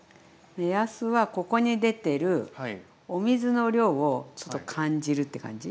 目安はここに出てるお水の量をちょっと感じるって感じ？